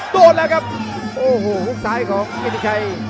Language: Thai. โดดแล้วครับหุ้กซ้ายของกิริชัย